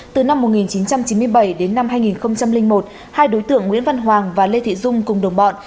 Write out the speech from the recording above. từ năm một nghìn chín trăm chín mươi bảy đến năm hai nghìn một hai đối tượng nguyễn văn hoàng và lê thị dung cùng đồng bọn